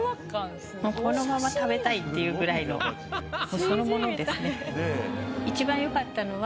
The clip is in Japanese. もうこのまま食べたいっていうぐらいのそのものですね。